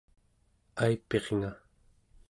aipirnga